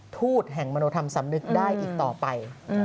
ทูตแห่งมนุธรรมสำนึกได้อีกต่อไป